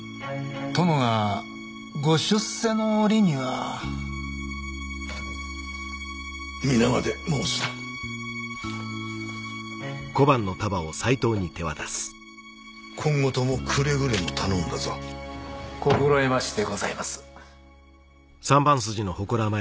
殿がご出世の折には皆まで申すな今後ともくれぐれも頼んだぞ心得ましてございます